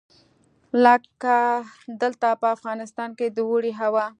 لکه دلته په افغانستان کې د اوړي هوا.